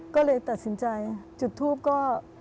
ก็เลยตัดสินใจจุดทูปก็